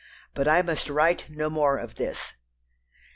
But I must write no more of this."